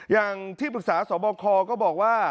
อย่างที่ปรึกษาสบคก็บอกว่า